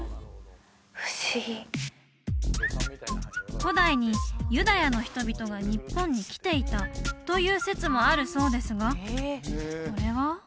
不思議古代にユダヤの人々が日本に来ていたという説もあるそうですがこれは？